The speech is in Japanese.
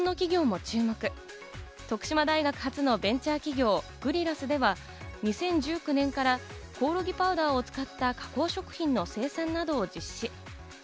これに日本の企業も注目、徳島大学発のベンチャー企業・グリラスでは２０１９年からコオロギパウダーを使った加工食品の生産などを実施。